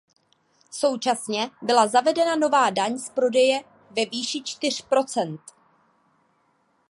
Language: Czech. Současně byla zavedena nová daň z prodeje ve výši čtyř procent.